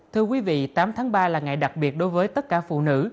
thưa quý vị tám tháng ba là ngày đặc biệt đối với tất cả phụ nữ